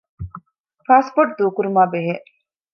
ޕާސްޕޯޓް ދޫކުރުމާބެހޭ